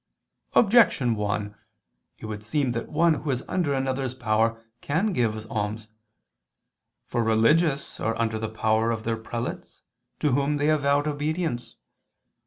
Objection 1: It would seem that one who is under another's power can give alms. For religious are under the power of their prelates to whom they have vowed obedience.